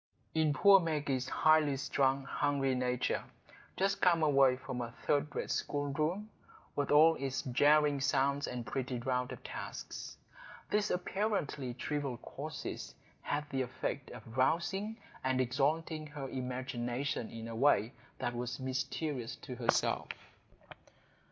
In poor Maggie's highly strung, hungry nature,—just come away from a third rate schoolroom, with all its jarring sounds and petty round of tasks,—these apparently trivial causes had the effect of rousing and exalting her imagination in a way that was mysterious to herself.